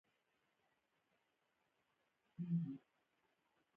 افغانستان پخوا هم د تجارت مرکز و.